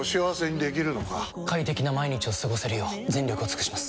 快適な毎日を過ごせるよう全力を尽くします！